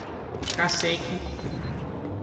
Cacequi